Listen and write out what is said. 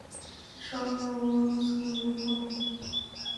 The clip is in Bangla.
সশ, কান্না থামাও।